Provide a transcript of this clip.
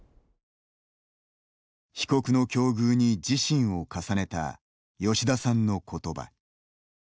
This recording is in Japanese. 被告の境遇に自身を重ねた吉田さんの言葉。